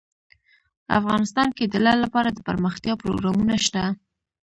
افغانستان کې د لعل لپاره دپرمختیا پروګرامونه شته.